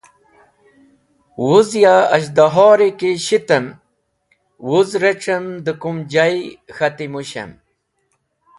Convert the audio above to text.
Wuz ya az̃hdahori ki shitem, wuz rec̃hem dẽ kum jay k̃hati mũshem.